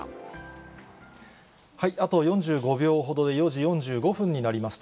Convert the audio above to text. あと４５秒ほどで、４時４５分になります。